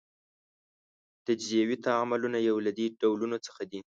تجزیوي تعاملونه یو له دې ډولونو څخه دي.